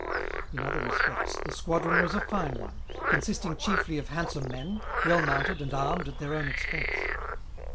In other respects, the squadron was a fine one, consisting chiefly of hand some men, well ioiounted and armed at their own ex pense.